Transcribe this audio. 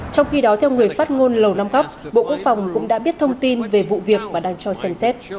trong khi đó theo người phát ngôn lầu năm góc bộ quốc phòng cũng đã biết thông tin về vụ việc và đang cho xem xét